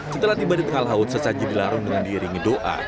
setelah tiba di tengah laut sesaji dilarung dengan diiringi doa